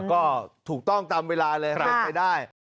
ก็ถูกต้องตามเวลาเลยเป็นไปได้